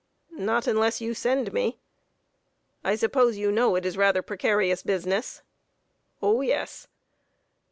"Not unless you send me." "I suppose you know it is rather precarious business?" "O, yes."